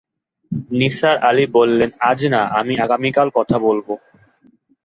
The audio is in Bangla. নিসার আলি বললেন, আজ না, আমি আগামীকাল কথা বলব।